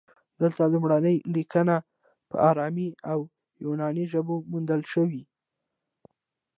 دلته لومړني لیکونه په ارامي او یوناني ژبو موندل شوي